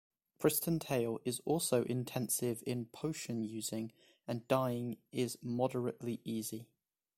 "PristonTale" is also intensive in potion using, and dying is moderately easy.